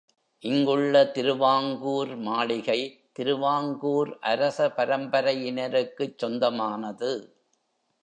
இங்குள்ள திருவாங்கூர் மாளிகை திருவாங்கூர் அரசபரம்பரையினருக்குச் சொந்தமானது.